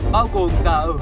bao gồm cả ở hà nội